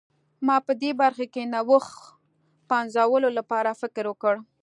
ما په دې برخه کې نوښت پنځولو لپاره فکر وکړ.